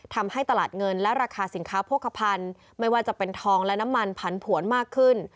ทำให้ตลาดเงินและราคาสินค้าโภคภัณฑ์ไม่ว่าจะเป็นทองและน้ำมันผันผวนมากขึ้น